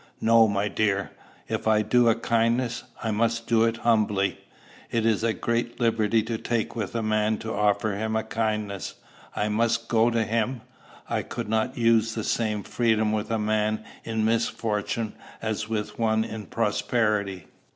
"No, my dear. If I do a kindness, I must do it humbly. It is a great liberty to take with a man to offer him a kindness. I must go to him. I could not use the same freedom with a man in misfortune as with one in prosperity.